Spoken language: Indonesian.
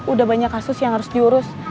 udah banyak kasus yang harus diurus